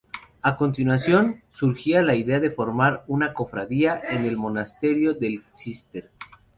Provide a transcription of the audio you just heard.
A continuación, surgiría la idea de formar una cofradía en el Monasterio del Císter.